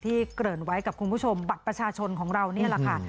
เกริ่นไว้กับคุณผู้ชมบัตรประชาชนของเรานี่แหละค่ะ